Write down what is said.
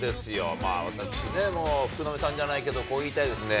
まあ、私ね、福留さんじゃないけど、こう言いたいですね。